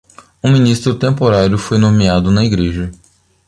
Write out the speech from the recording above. Um ministro temporário foi nomeado na igreja.